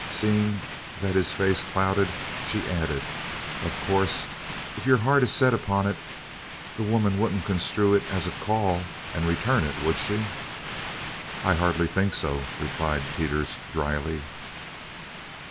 Seeing that his face clouded, she added: "Of course, if your heart is set upon it the woman wouldn't construe it as a 'call' and return it, would she?" "I hardly think so," replied Teeters dryly.